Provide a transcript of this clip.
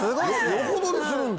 横取りするんだよ。